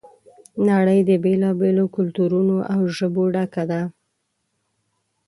نړۍ د بېلا بېلو کلتورونو او ژبو ډکه ده.